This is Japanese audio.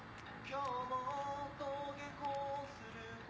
今日も登下校する子供達は